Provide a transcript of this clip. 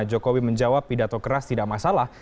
jokowi menjawab pidato keras tidak masalah